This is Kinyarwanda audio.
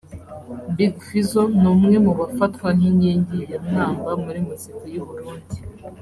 Big Fizzo ni umwe mu bafatwa nk’inkingi ya mwamba muri muzika y’Uburundi